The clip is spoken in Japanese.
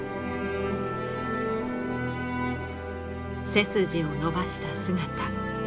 背筋を伸ばした姿。